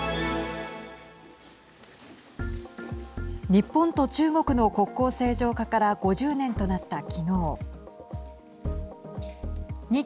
日本と中国の国交正常化から５０年となった昨日。